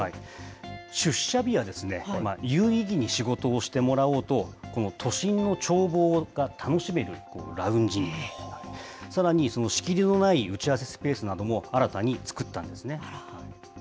出社日は有意義に仕事をしてもらおうと、都心の眺望が楽しめるラウンジ、さらに、仕切りのない打ち合わせスペースなども新たに作ったんですね。